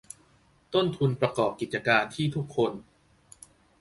ต้นทุนประกอบกิจการที่ทุกคน